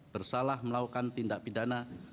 bersalah melakukan tindak pidana